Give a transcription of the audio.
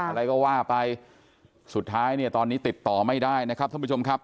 อะไรก็ว่าไปสุดท้ายเนี่ยตอนนี้ติดต่อไม่ได้นะครับท่านผู้ชมครับ